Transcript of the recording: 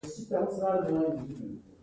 زموږ څخه هر یو ځان ته ارزښت قایل یو.